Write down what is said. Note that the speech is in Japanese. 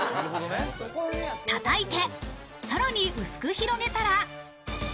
叩いて、さらに薄く広げたら。